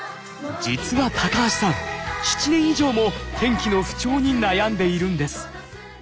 実は高橋さん７年以上も天気の不調に悩んでいるんです。